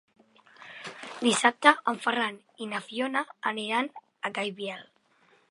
Dissabte en Ferran i na Fiona aniran a Gaibiel.